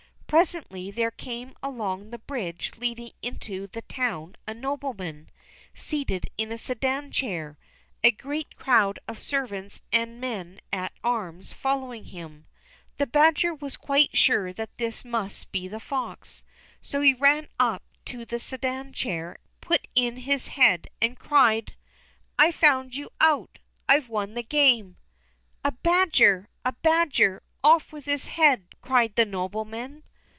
Presently there came along the bridge leading into the town a nobleman, seated in a sedan chair, a great crowd of servants and men at arms following him. The badger was quite sure that this must be the fox, so he ran up to the sedan chair, put in his head, and cried: "I've found you out! I've won the game!" "A badger! A badger! Off with his head," cried the nobleman.